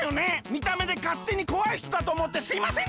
みためでかってにこわいひとだとおもってすいませんでした！